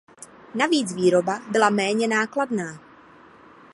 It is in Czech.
Navíc výroba byla méně nákladná.